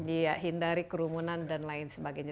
iya hindari kerumunan dan lain sebagainya